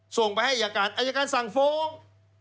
ส่งไปให้อัยการอัยการสังโฟง